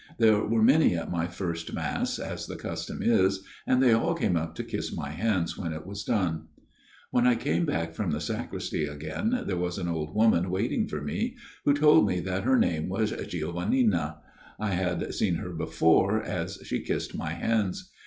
There were many at my first Mass, as the custom is, and they all came up to kiss my hands when it was done. " When I came back from the sacristy again there was an old woman waiting for me, who told me that her name was Giovannina. I had FATHER BIANCHI'S STORY 141 seen her before, as she kissed my hands.